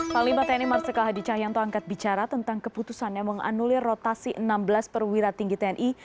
panglima tni marsikal hadi cahyanto angkat bicara tentang keputusan yang menganulir rotasi enam belas perwira tinggi tni